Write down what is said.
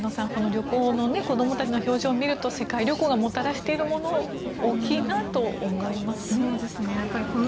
旅行の子供たちの表情を見ると世界旅行がもたらしているもの大きいなと思いますね。